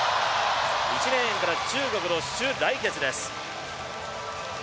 １レーンから中国の朱蕾桔です。